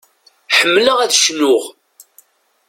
Ḥemmleɣ ad cnuɣ.